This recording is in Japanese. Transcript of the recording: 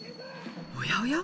おやおや？